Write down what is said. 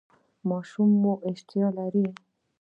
ماشوم مو اشتها لري؟